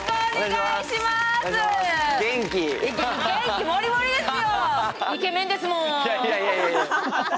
元気もりもりですよ。